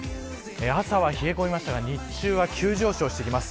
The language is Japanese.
朝は冷え込みましたが日中は急上昇してきます。